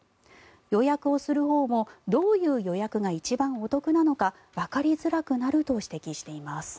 予約をするほうもどういう予約が一番お得なのかわかりづらくなると指摘しています。